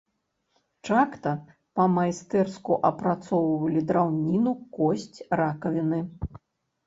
Чакта па-майстэрску апрацоўвалі драўніну, косць, ракавіны.